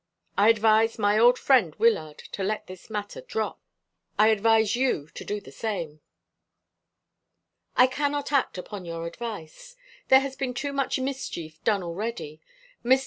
I advised my old friend Wyllard to let this matter drop. I advise you to do the same." "I cannot act upon your advice. There has been too much mischief done already. Mr.